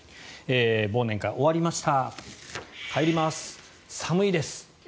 忘年会、終わりました。